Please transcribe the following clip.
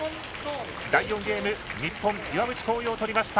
第４ゲーム、日本、岩渕幸洋とりました。